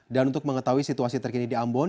dan untuk mengetahui situasi terkini di ambon